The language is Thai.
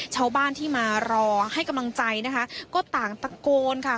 ชาวบ้านที่มารอให้กำลังใจนะคะก็ต่างตะโกนค่ะ